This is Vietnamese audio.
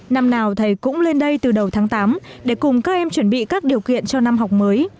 năm nào thầy cũng lên đây từ đầu tháng tám để cùng các em chuẩn bị các điều kiện cho năm học mới